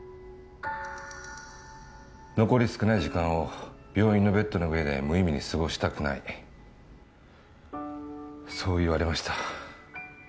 残り少ない時間を病院のベッドの上で無意味に過ごしたくないそう言われました